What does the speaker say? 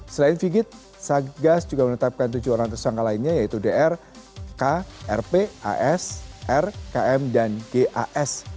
selain sigit satgas juga menetapkan tujuh orang tersangka lainnya yaitu dr k rp as r km dan gas